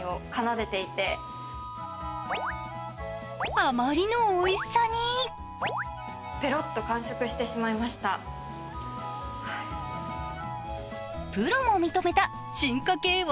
あまりのおいしさにプロも認めた進化系和